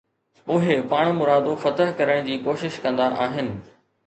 اهي پاڻمرادو فتح ڪرڻ جي ڪوشش ڪندا آهن